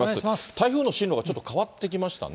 台風の進路がちょっと変わってきましたね。